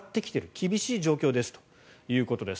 厳しい状況ですということです。